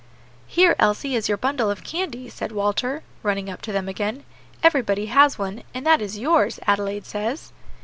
"Here, Elsie, here is your bundle of candy," said Walter, running up to them again. "Everybody has one, and that is yours, Adelaide says."